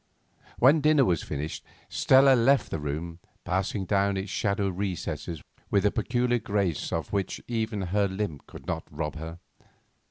When dinner was finished Stella left the room, passing down its shadowed recesses with a peculiar grace of which even her limp could not rob her.